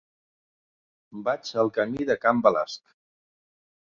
Vaig al camí de Can Balasc.